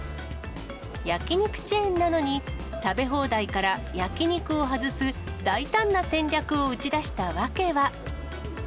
焼き肉チェーンなのに、食べ放題から焼き肉を外す大胆な戦略を打ち出した訳は。